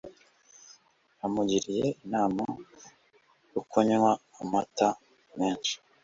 yamugiriye inama yo kunywa amata menshi